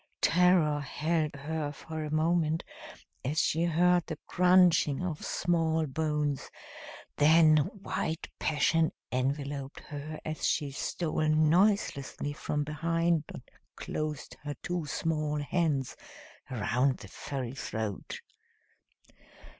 Terror held her for a moment as she heard the crunching of small bones, then white passion enveloped her as she stole noiselessly from behind and closed her two small hands around the furry throat.